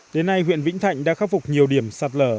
đến nay huyện vĩnh thạnh đã khắc phục nhiều điểm sạt lở